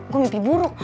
gue mimpi buruk